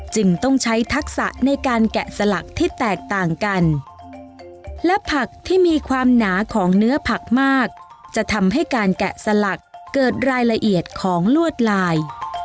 จึงต้องใช้ทักษะในการแกะสลักที่แตกต่างกันและผักที่มีความหนาของเนื้อผักมากจะทำให้การแกะสลักเกิดรายละเอียดของลวดลาย